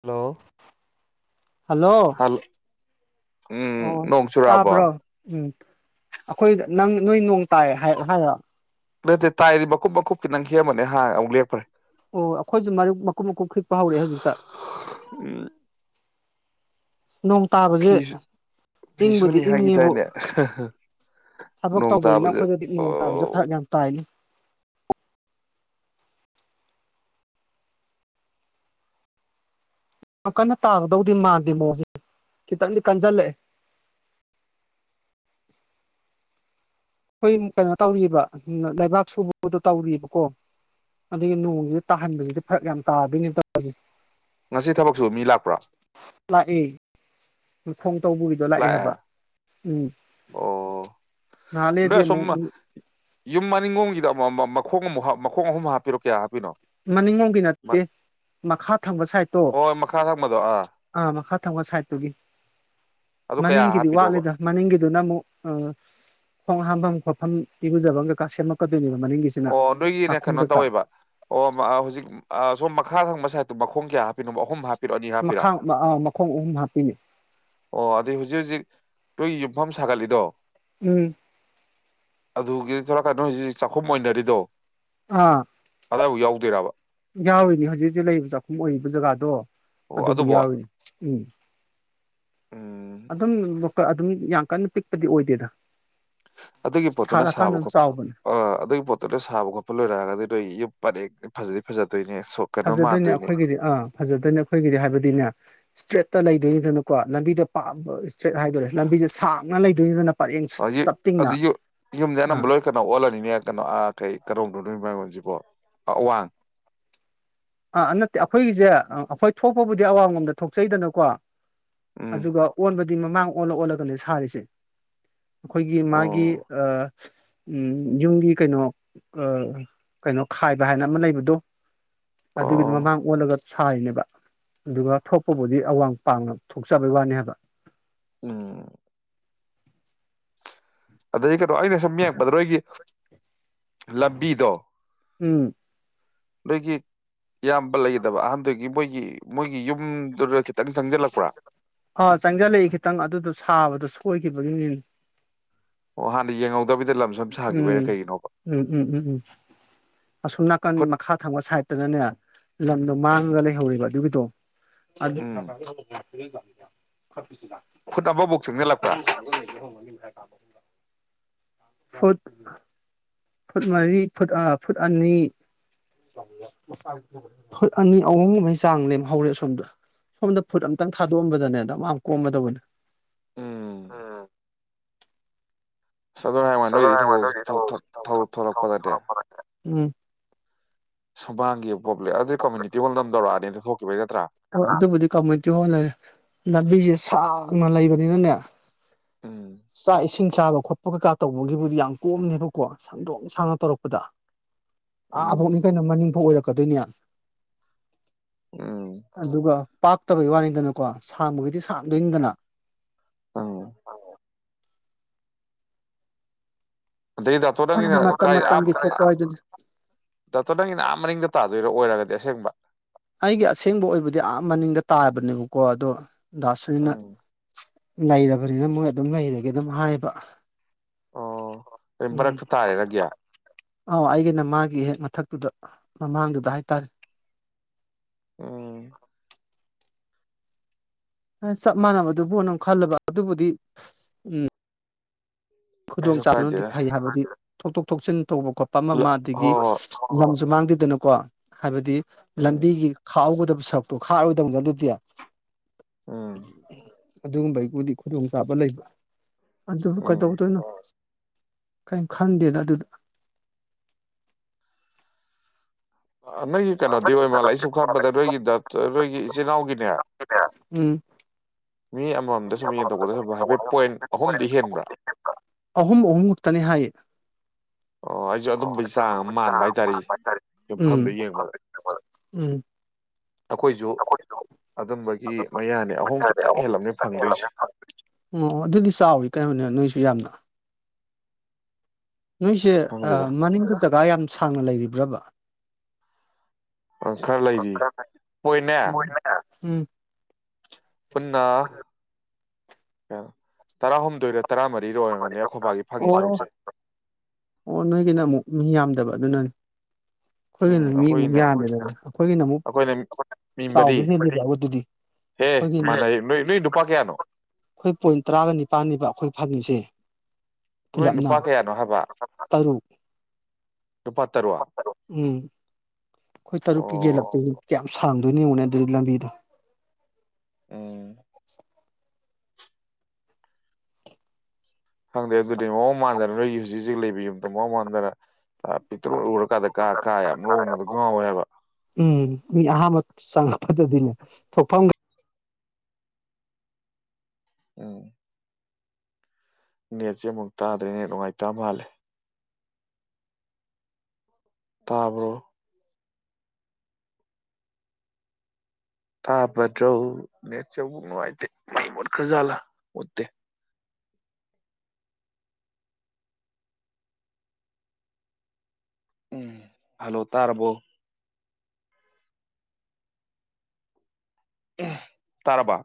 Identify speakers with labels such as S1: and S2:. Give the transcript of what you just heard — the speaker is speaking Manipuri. S1: ꯍꯂꯣ
S2: ꯍꯜꯂꯣ
S1: ꯍꯂꯣ ꯎꯝ
S2: ꯑꯣ
S1: ꯅꯣꯡ ꯆꯨꯔꯛꯑꯕꫭ
S2: ꯇꯥꯕ꯭ꯔꯣ ꯎꯝ ꯑꯩꯈꯣꯏ ꯅꯪ ꯅꯣꯏ ꯅꯣꯡ ꯇꯥꯏ ꯍꯥꯏꯔ
S1: ꯂꯩꯠꯇꯦ ꯇꯥꯏꯗꯤ ꯃꯀꯨꯞ ꯃꯀꯨꯞꯀꯤ ꯅꯪ ꯍꯦꯝꯃꯅꯦ ꯍꯥꯟ ꯑꯃꯛꯦꯛꯞꯄ꯭ꯔꯦ
S2: ꯑꯣ ꯑꯩꯈꯣꯏꯁꯨ ꯃꯔꯨꯞ ꯃꯀꯨꯞ ꯃꯀꯨꯞ ꯈꯤꯛꯄ ꯍꯧꯔꯛꯑꯦ ꯍꯧꯖꯤꯛꯇ
S1: ꯎꯝ
S2: ꯅꯣꯡ ꯇꯥꯕꯁꯦ
S1: ꯐꯤ ꯐꯤ
S2: ꯏꯪꯕꯨꯗꯤ
S1: ꯁꯨꯅꯤ
S2: ꯏꯪꯉꯦꯕꯨ
S1: ꯍꯥꯏꯈꯤꯗꯥꯏꯅꯦ
S2: ꯊꯕꯛ
S1: ꯅꯣꯡ
S2: ꯇꯧꯕꯅꯤꯅ
S1: ꯇꯥꯕꯁꯦ
S2: ꯑꯩꯈꯣꯏꯗꯗꯤ ꯅꯣꯡ ꯇꯥꯕꯁꯦ
S1: ꯑꯣ
S2: ꯈꯔ ꯌꯥꯝ ꯇꯥꯏꯅꯤ ꯌꯥꯝ ꯀꯟꯅ ꯇꯥꯕꯗꯧꯗꯤ ꯃꯥꯟꯗꯦ ꯃꯣꯁ ꯈꯤꯇꯪꯗꯤ ꯀꯟꯁꯤꯜꯂꯛꯑꯦ ꯑꯩꯈꯣꯏ ꯀꯩꯅꯣ ꯇꯧꯔꯤꯕ ꯂꯩꯕꯥꯛ ꯁꯨꯕꯗꯣ ꯇꯧꯔꯤꯑꯕꯀꯣ ꯑꯗꯨꯗꯒꯤ ꯅꯣꯡꯁꯤꯗ ꯇꯥꯍꯟꯕꯁꯤꯗꯤ ꯐꯔꯛ ꯌꯥꯝ ꯇꯥꯗꯣꯏꯅꯦꯕ ꯇꯁꯦ
S1: ꯉꯁꯤ ꯊꯕꯛꯁꯨ ꯃꯤ ꯂꯥꯛꯄ꯭ꯔꯥ
S2: ꯑꯦ [unintelligible] ꯇꯧꯕꯒꯤꯗꯣ ꯂꯥꯛꯑꯦ ꯍꯥꯏꯕ ꯎꯝ
S1: ꯑꯣ ꯅꯣꯏ
S2: ꯅꯍꯥꯟꯂꯗꯤ ꯑꯃꯨꯛ
S1: ꯑꯁꯣꯝ ꯌꯨꯝ ꯃꯅꯤꯡꯉꯣꯒꯤꯗ ꯑꯃꯨ ꯃꯈꯣꯡ ꯑꯃꯨꯛ ꯃꯈꯣꯡ ꯑꯍꯨꯝ ꯍꯥꯞꯄꯤꯔꯣ ꯀꯌꯥ ꯍꯥꯞꯄꯤꯅꯣ
S2: ꯃꯅꯤꯡꯂꯣꯝꯒꯤ ꯅꯠꯇꯦ ꯃꯈꯥ ꯊꯪꯕ ꯁꯥꯏꯠꯇꯣ
S1: ꯍꯣꯏ ꯃꯈꯥ ꯊꯪꯕꯗꯣ
S2: ꯑꯥ ꯃꯈꯥ ꯊꯪꯕ ꯁꯥꯏꯠꯇꯨꯒꯤ
S1: ꯑꯗꯨ ꯀꯌꯥ
S2: ꯃꯅꯤꯡꯒꯤꯗꯤ
S1: ꯍꯥꯞꯄꯤꯅꯣꯕ
S2: ꯋꯥꯠꯂꯤꯗ ꯃꯅꯤꯡꯒꯤꯗꯨꯅ ꯑꯃꯨꯛ ꯑ ꯈꯣꯡ ꯍꯥꯝꯐꯝ ꯈꯣꯠꯐꯝ ꯏꯔꯨꯖꯕ ꯀꯩꯀꯥ ꯁꯦꯝꯃꯛꯀꯗꯣꯏꯅꯦ
S1: ꯑꯣ ꯅꯣꯏꯒꯤꯅꯦ ꯀꯩꯅꯣ ꯇꯧꯋꯦꯕ ꯑꯣ ꯍꯧꯖꯤꯛ ꯁꯣꯝ ꯃꯈꯥ ꯊꯪꯕ ꯁꯥꯏꯠꯇꯣ ꯃꯈꯣꯡ ꯀꯌꯥ ꯍꯥꯞꯄꯤꯅꯣꯕ ꯑꯍꯨꯝ ꯍꯥ
S2: ꯃꯈꯥ ꯑꯥ ꯃꯈꯣꯡ ꯑꯍꯨꯝ ꯍꯥꯞꯄꯤꯅꯦ
S1: ꯅꯨꯏ ꯌꯨꯝꯐꯝ ꯁꯥꯒꯠꯂꯤꯗꯣ
S2: ꯎꯝ
S1: ꯑꯗꯨꯒꯤꯗꯤ ꯀꯩꯅꯣ ꯍꯧꯁꯤ ꯆꯥꯛꯈꯨꯝ ꯑꯣꯏꯅ [unintelligible]
S2: ꯑꯥ
S1: ꯑꯗꯥꯏꯐꯥꯎ ꯌꯥꯎꯗꯣꯏꯔꯕ
S2: ꯌꯥꯎꯋꯅꯦ ꯍꯧꯖꯤꯛ ꯍꯧꯖꯤꯛ ꯂꯩꯔꯤꯕ ꯆꯥꯛꯈꯨꯝ ꯑꯣꯏꯔꯤꯕ ꯖꯒꯥꯗꯣ
S1: ꯑꯣ
S2: ꯑꯗꯨꯕꯨ
S1: ꯑꯗꯨꯕꯣ
S2: ꯌꯥꯎꯋ ꯎꯝ
S1: ꯎꯝ
S2: ꯑꯗꯨꯝ ꯑꯗꯨꯝ ꯌꯥꯝ ꯀꯟꯅ ꯄꯤꯛꯄꯗꯤ ꯑꯣꯏꯗꯦꯗ
S1: ꯑꯗꯨꯒꯤ ꯄꯣꯠꯇꯨꯅ
S2: ꯁꯥꯔꯀꯥꯟꯗ
S1: ꯁꯥꯕ
S2: ꯑꯗꯨꯝ
S1: ꯈꯣꯠꯄ
S2: ꯆꯥꯎꯕꯅꯦ
S1: ꯑ ꯑꯗꯨꯒꯤ ꯄꯣꯠꯇꯨꯅ ꯁꯥꯕ ꯈꯣꯠꯄ ꯂꯣꯏꯔꯛꯑꯒꯗꯤ ꯅꯣꯏ ꯐꯔꯦ ꯐꯖꯩ ꯐꯖꯗꯦ
S2: ꯐꯖꯗꯣꯏꯅꯦ ꯑꯩꯈꯣꯏꯒꯤꯗꯤ ꯑꯥ ꯐꯖꯗꯣꯏꯅꯦ ꯑꯩꯈꯣꯏꯒꯤꯗꯤ ꯍꯥꯏꯕꯗꯤꯅꯦ ꯏꯁꯇ꯭ꯔꯦꯠ ꯂꯩꯗꯣꯏꯅꯤꯗꯅꯀꯣ ꯂꯝꯕꯤꯗ ꯏꯁꯇ꯭ꯔꯦꯠ ꯍꯥꯏꯗꯔꯦ ꯂꯝꯕꯤꯁꯦ ꯁꯥꯡꯅ ꯂꯩꯗꯣꯏꯅꯤꯗꯅ ꯄꯔꯦꯡ ꯆꯞꯇꯤꯡꯅ
S1: ꯑꯗꯨ ꯌꯨꯝꯗ
S2: ꯑꯥ
S1: ꯑꯅꯝꯕ ꯂꯣꯏ ꯀꯩꯅꯣ ꯑꯣꯜꯂꯅꯤꯅꯦ ꯀꯩꯅꯣ ꯑꯥ ꯀꯩ ꯀꯗꯧꯝꯗꯧꯅꯣ ꯃꯥꯏꯑꯟꯁꯤꯕꯣ ꯑꯋꯥꯡ
S2: ꯑꯥ ꯅꯠꯇꯦ ꯑꯩꯈꯣꯏꯒꯤꯁꯦ ꯑꯩꯈꯣꯏ ꯊꯣꯛꯄꯕꯨꯗꯤ ꯑꯋꯥꯡꯡꯂꯣꯝꯗ ꯊꯣꯛꯆꯩꯗꯅꯀꯣ
S1: ꯎꯝ
S2: ꯑꯗꯨꯒ ꯑꯣꯟꯕ ꯑꯗꯨꯗꯤ ꯃꯃꯥꯡ ꯑꯣꯜꯂ ꯑꯣꯜꯂꯒꯅꯦ ꯁꯥꯔꯤꯁꯦ ꯑꯩꯈꯣꯏꯒꯤ ꯃꯥꯒꯤ
S1: ꯑꯣ
S2: ꯑ ꯎꯝ ꯌꯨꯝꯒꯤ ꯀꯩꯅꯣ ꯀꯩꯅꯣ ꯈꯥꯏꯕ ꯍꯥꯏꯅ ꯑꯃ ꯂꯩꯕꯗꯣ ꯑꯗꯨꯒꯤꯗꯤ
S1: ꯑꯣ
S2: ꯃꯃꯥꯡ ꯑꯣꯜꯂꯒ ꯁꯥꯔꯤꯅꯦꯕ ꯑꯗꯨꯒ ꯊꯣꯛꯄꯕꯨꯗꯤ ꯑꯋꯥꯡ ꯄꯥꯡꯅ ꯊꯣꯛꯆꯕꯩ ꯋꯥꯅꯤ ꯍꯥꯏꯕ
S1: ꯎꯝ ꯑꯗꯗꯒꯤ ꯀ ꯣ ꯑꯩꯅ ꯁꯨꯝ ꯌꯦꯡꯄꯗ꯭ꯔꯣ ꯑꯩꯒꯤ ꯂꯕꯤꯗꯣ
S2: ꯎꯝ
S1: ꯂꯩꯒꯤ ꯏꯌꯥꯝꯕ ꯂꯩꯒꯗꯕ ꯑꯍꯟꯗꯨꯒꯤ ꯃꯣꯏꯒꯤ ꯃꯣꯏꯒꯤ ꯌꯨꯝꯗꯨꯔ
S2: ꯑ ꯆꯪꯁꯤꯜꯂꯛꯏ ꯈꯤꯇꯪ ꯑꯗꯨꯗꯣ ꯁꯥꯕꯗꯣ ꯁ ꯅꯤ
S1: ꯋꯥꯍꯥꯗꯤꯖ
S2: ꯎꯝꯝ ꯎꯝ ꯎꯝ ꯎꯝ ꯎꯝ ꯑꯁꯣꯨꯝ ꯅꯥꯀꯟ
S1: ꯐꯨꯠ
S2: ꯃꯈꯥ ꯊꯪꯕ ꯁꯥꯏꯗꯠꯇꯅꯅꯦ ꯂꯝꯗꯣ ꯃꯥꯡ ꯂꯩꯍꯧꯔꯤꯕ ꯑꯗꯨꯒꯤꯗꯣ ꯑꯗꯨ ꯌꯥ
S1: ꯎꯝ ꯐꯨꯠ ꯑꯃꯕꯨꯛ ꯆꯪꯖꯜꯂꯛꯄ꯭ꯔꯥ
S2: ꯅꯤ ꯀꯥꯝ ꯐꯨꯠ ꯐꯨꯠ ꯃꯔꯤ ꯐꯨꯠ ꯐꯨꯠ ꯑꯅꯤ ꯐꯨꯠ ꯑꯅꯤ ꯑꯍꯨꯝꯒꯨꯝꯕꯩ ꯆꯥꯡ ꯂꯦꯝ ꯍꯧꯔꯦ ꯁꯣꯝꯗ ꯁꯣꯝꯗ ꯐꯨꯠ ꯑꯝꯇꯪ ꯊꯥꯗꯣꯛꯑꯝꯕꯗꯅꯦꯗ ꯑ ꯀꯣꯝꯕꯗꯧꯕꯅꯦ
S1: ꯎꯝ ꯆ ꯍꯥꯏꯕ ꯅꯣꯏꯗꯤ ꯊꯧꯛ ꯊꯣꯛꯂꯛꯄ ꯅꯠꯇꯦ
S2: ꯎꯝ
S1: ꯁꯨꯕꯥꯒꯤ ꯄꯣ꯭ꯂꯦꯝ ꯑꯗꯨꯗꯤ ꯀꯃꯨꯅꯤꯇꯤ ꯍꯣꯜ ꯑꯃꯝꯧꯔꯛꯑꯅꯤꯗꯤ ꯊꯣꯛ
S2: ꯑꯗꯨ ꯀꯃꯇ ꯍꯔꯦ ꯂꯕꯤꯁꯤ ꯁꯥꯡꯅ ꯂꯩꯕꯅꯤꯅꯅꯦ
S1: ꯎꯝ
S2: ꯁꯥꯏ ꯏꯁꯤꯡ ꯆꯥꯕ ꯈꯣꯠꯄ ꯀꯩꯀꯥ ꯇꯧꯕꯒꯤꯕꯨꯗꯤ ꯌꯥꯝ ꯀꯣꯝꯅꯦꯕꯀꯣ ꯁꯪꯗꯣꯛ ꯁꯥꯡꯅ ꯇꯧꯔꯛꯄꯗ ꯑꯥ
S1: ꯎꯝ
S2: ꯑꯕꯣꯛꯅꯤ ꯀꯩꯅꯣ ꯃꯅꯤꯡꯐꯥꯎ ꯑꯣꯏꯔꯛꯄ ꯀꯗꯅꯤꯌꯥ
S1: ꯎꯝ
S2: ꯑꯗꯨꯒ ꯄꯥꯛꯇꯕꯩ ꯋꯥꯅꯤꯗꯅ ꯀꯣ ꯁꯥꯡꯕꯒꯤꯗꯤ ꯁꯥꯡꯝꯗꯣꯏꯅꯤꯗꯅ
S1: ꯑꯪ ꯑꯗꯩ ꯗꯥꯛꯇꯣꯔ ꯅꯪꯒꯤꯅ
S2: ꯍꯥꯏꯗꯤ ꯃꯇꯝ
S1: ꯀꯥꯏ ꯑꯥ
S2: ꯃꯇꯝꯒꯤ ꯊꯣꯛꯄ ꯍꯥꯏꯗꯨꯅꯤ
S1: ꯗꯥꯛꯇꯣꯔ ꯅꯪꯒꯤꯅ ꯑꯥ ꯃꯔꯤꯡꯗ ꯇꯥ ꯑꯗꯨꯏꯔ ꯑꯣꯏꯔꯒꯗꯤ ꯑꯁꯦꯡꯕ
S2: ꯑꯩꯒꯤ ꯑꯁꯦꯡꯕ ꯑꯣꯏꯕꯗꯤ ꯑꯥ ꯃꯅꯤꯡꯗ ꯇꯥꯕꯅꯦꯕꯀꯣ ꯑꯗꯣ ꯂꯁꯨꯅ
S1: ꯎꯝ
S2: ꯂꯩꯔꯕꯅꯤꯅ ꯃꯣꯏ ꯑꯗꯨꯝ ꯂꯩꯔꯒꯦ ꯑꯗꯨꯝ ꯍꯥꯏꯕ
S1: ꯑꯣ ꯑꯩ
S2: ꯎꯝ
S1: ꯃꯔꯛꯇ ꯇꯥꯔꯦ ꯅꯪꯒꯤ
S2: ꯑ ꯑꯩꯒꯦ ꯑꯩꯅ ꯃꯥꯒꯤ ꯍꯦꯛ ꯃꯊꯛꯇꯨꯗ ꯃꯃꯥꯡꯗꯨꯗ ꯍꯥꯏꯇꯥꯔꯦ
S1: ꯎꯝ
S2: [unintelligible] ꯆꯞ ꯃꯥꯟꯅꯕꯗꯨꯕꯨ ꯑꯗꯨꯝ ꯈꯜꯂꯕ ꯑꯗꯨꯕꯨꯗꯤ ꯎꯝ ꯈꯨꯗꯣꯡ
S1: ꯀꯩꯁꯨ
S2: ꯆꯥꯗꯅꯗꯤ
S1: ꯀꯥꯏꯗꯦꯗ
S2: ꯐꯩ ꯍꯥꯏꯕꯗꯤ ꯊꯧꯗꯣꯛ ꯊꯣꯛꯆꯟ ꯇꯧꯕ ꯈꯣꯠꯄ ꯑꯃ
S1: ꯍꯣꯏ
S2: ꯑꯃ ꯑꯗꯒꯤ
S1: ꯍꯣꯏ
S2: ꯂꯝꯁꯨ ꯃꯥꯡ ꯑꯗꯨꯗꯅꯀꯣ ꯍꯥꯏꯕꯗꯤ
S1: ꯎꯝ
S2: ꯂꯝꯕꯤꯒꯤ ꯈꯥꯎꯧꯒꯗꯕ ꯁꯔꯨꯛꯇꯣ ꯈꯥꯔꯣꯏꯗꯕꯅꯤ ꯑꯗꯨꯗꯤ [unintelligible]
S1: ꯎꯝ
S2: ꯑꯗꯨꯒꯨꯝꯕ ꯑꯩꯕꯨꯗꯤ ꯈꯨꯗꯣꯡꯆꯥꯥꯕ ꯂꯩꯕ ꯑꯗꯨꯕꯨ ꯀꯗꯧ
S1: ꯎꯝ
S2: ꯀꯔꯤꯝ ꯈꯪꯗꯦꯗ ꯑꯗꯨꯗ
S1: ꯅꯣꯏꯒꯤ ꯀꯩꯅꯣꯗꯤ ꯑꯣꯏ ꯃꯥꯜꯂꯦ ꯑꯩꯁꯨ ꯈꯄꯗ ꯅꯣꯏꯒꯤꯗ ꯅꯣꯏꯒꯤ ꯏꯆꯤꯜ ꯏꯅꯥꯎꯒꯤꯅꯦ
S2: ꯎꯝ
S1: ꯃꯤ ꯑꯃꯃꯝꯗ ꯁꯨꯝ ꯌꯦꯟ ꯇꯧꯕꯗ ꯁꯨꯝ ꯍꯥꯏꯐꯦꯠ ꯄꯣꯏꯟ ꯑꯍꯨꯝꯗꯤ ꯍꯦꯟꯕ꯭ꯔꯥ
S2: ꯑꯍꯨꯝ ꯑꯍꯨꯝꯃꯨꯛꯇꯅꯤ ꯍꯥꯏꯌꯦ
S1: ꯑ ꯑꯩ ꯑꯗꯨ ꯆ ꯃꯥꯟꯕ ꯍꯥꯏꯇꯥꯔꯦ
S2: ꯎꯝ
S1: ꯃꯐꯝꯗ ꯌꯦꯡꯕꯗ
S2: ꯎꯝ
S1: ꯑꯩꯈꯣꯏꯁꯨ ꯑꯗꯨꯝꯕꯒꯤ ꯃꯌꯥꯅꯤ ꯑꯍꯨꯝ ꯈꯤꯇꯪ ꯍꯦꯜꯂꯝꯕꯅꯤ ꯐꯪꯗꯣꯏꯁꯦ
S2: ꯑꯣ ꯑꯗꯨꯗꯤ ꯆꯥꯎꯔꯤ ꯀꯩꯅꯣꯅꯦ ꯅꯣꯏꯁꯨ ꯌꯥꯝꯅ ꯅꯣꯏꯁꯦ
S1: ꯈꯪꯗꯦꯗ
S2: ꯃꯅꯤꯡꯗꯨ ꯖꯒꯥ ꯌꯥꯝ ꯁꯥꯡꯅ ꯂꯩꯔꯤꯕ꯭ꯔꯕ
S1: ꯑꯪ ꯈꯔ ꯂꯩꯔꯤ ꯄꯣꯏꯅꯦ
S2: ꯎꯝ ꯎꯝ
S1: ꯄꯨꯅꯥ ꯀꯩꯅꯣ ꯇꯥ ꯍꯣꯨꯝꯗꯩꯔ
S2: ꯑꯣ ꯑꯣꯟꯅ ꯀꯅ ꯑꯃꯨ ꯃꯤ ꯌꯥꯝꯗꯕ ꯑꯗꯨꯅꯅꯤ ꯑꯩꯈꯣꯏꯒꯤꯅ ꯃꯤ ꯑꯃꯨꯛ ꯌꯥꯝꯗꯦꯗꯕ ꯑꯩꯈꯣꯏꯒꯤꯅ ꯑꯃꯨꯛ
S1: ꯑꯩꯈꯣꯏꯅ ꯃꯤ ꯃꯔꯤ
S2: ꯆꯥꯎꯕꯁꯤꯅꯗꯤꯧꯕꯗꯨꯗꯤ
S1: ꯍꯦ
S2: ꯑꯩꯈꯣꯏꯒꯤ
S1: ꯃꯥꯟꯅꯩ ꯅꯣꯏ ꯅꯣꯏ ꯅꯨꯄꯥ ꯀꯌꯥꯅꯣ
S2: ꯑꯩꯈꯣꯏ ꯄꯣꯏꯟ ꯇꯔꯥꯒ ꯅꯤꯄꯥꯜꯅꯤꯕ ꯑꯩꯈꯣꯏ ꯐꯪꯉꯤꯁꯦ
S1: ꯅꯣꯏ
S2: ꯄꯨꯂꯞꯅ
S1: ꯅꯨꯄꯥ ꯀꯌꯥꯅꯣ ꯍꯥꯏꯕ
S2: ꯇꯔꯨꯛ
S1: ꯅꯨꯄꯥ ꯇꯔꯨꯛ
S2: ꯎꯝ ꯑꯩꯈꯣꯏ ꯇꯔꯨꯛꯀꯤ ꯒꯦꯜꯂꯄ
S1: ꯑꯣ
S2: ꯀꯌꯥ ꯌꯥꯝ ꯁꯥꯡꯗꯣꯏꯅꯦꯉꯅꯦ ꯑꯗꯨꯗꯤ ꯂꯝꯕꯤꯗꯣ
S1: ꯎꯝ ꯍꯪꯗꯦ ꯑꯗꯨ ꯑꯣ ꯃꯥꯥꯟꯗꯦ ꯅꯣꯏꯒꯤ ꯍꯧꯖꯤꯛ ꯍꯧꯖꯤꯛ ꯂꯩꯕ ꯌꯨꯝꯗꯝ ꯃ ꯃꯥꯟꯗꯅ ꯄꯤꯛꯇ꯭ꯔꯨ ꯂꯔꯀꯥꯟꯗ ꯀꯥ ꯀꯥ ꯌꯥꯝ ꯂꯣꯡꯕꯗ ꯉꯥꯎꯋꯦ ꯍꯥꯏꯕ
S2: ꯎꯝ ꯃꯤ ꯑꯍꯥꯟꯕ ꯆꯪꯉꯛꯄꯗꯗꯤꯅꯦ ꯊꯣꯛꯐꯝꯒ
S1: ꯑ ꯅꯦꯠꯁꯦ ꯑꯃꯨꯛ ꯇꯥꯗ꯭ꯔꯦꯅꯦ ꯅꯨꯡꯉꯥꯏꯇ ꯃꯥꯜꯂꯦ ꯇꯥꯔꯕꯣ ꯇꯥꯕꯗ꯭ꯔꯧ ꯅꯦꯠꯁꯧꯕ ꯅꯨꯡꯉꯥꯏꯇꯦ ꯃꯩ ꯃꯨꯠꯈ꯭ꯔꯖꯥꯠꯂꯥ ꯃꯨꯠꯇꯦ ꯎꯝ ꯍꯂꯣ ꯇꯔꯔꯕꯣ ꯇꯔꯕꯥ